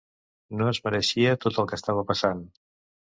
No es mereixia tot el que estava passant...